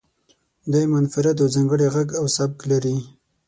دی منفرد او ځانګړی غږ او سبک لري.